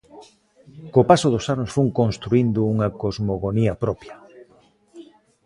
Co paso dos anos fun construíndo unha cosmogonía propia.